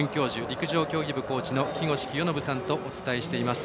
陸上競技部コーチ木越清信さんとお伝えしています。